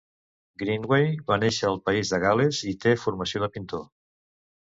Greenaway va néixer al País de Gal·les i té formació de pintor.